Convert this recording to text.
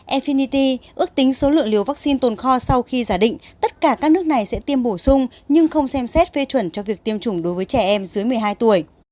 elfinity ước tính số lượng liều vaccine tồn kho sau khi giả định tất cả các nước này sẽ tiêm bổ sung nhưng không xem xét phê chuẩn cho việc tiêm chủng đối với trẻ em dưới một mươi hai tuổi